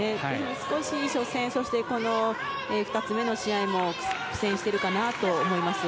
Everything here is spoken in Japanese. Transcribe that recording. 少し初戦、そして２つ目の試合も苦戦しているかなと思います。